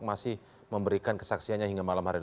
masih memberikan kesaksiannya hingga malam hari ini